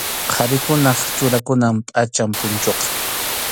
Qharikunap churakunan pʼacham punchuqa.